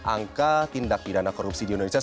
angka tindak pidana korupsi di indonesia